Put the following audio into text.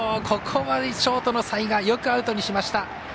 ここはショートの齊賀よくアウトにしました。